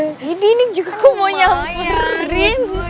eh dinik juga kok mau nyamperin